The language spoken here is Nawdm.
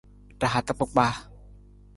Ra hata kpakpaa.